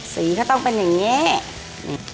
สีก็ต้องเป็นอย่างนี้